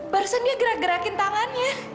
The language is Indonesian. barusan dia gerak gerakin tangannya